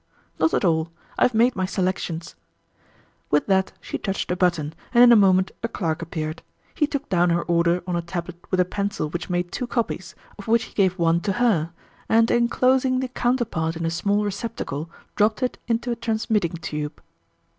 "Not at all. I have made my selections." With that she touched a button, and in a moment a clerk appeared. He took down her order on a tablet with a pencil which made two copies, of which he gave one to her, and enclosing the counterpart in a small receptacle, dropped it into a transmitting tube.